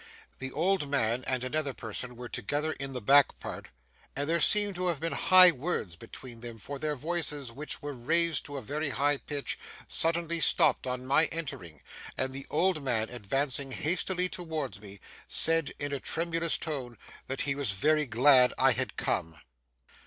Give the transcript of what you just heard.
The old man and another person were together in the back part, and there seemed to have been high words between them, for their voices which were raised to a very high pitch suddenly stopped on my entering, and the old man advancing hastily towards me, said in a tremulous tone that he was very glad I had come.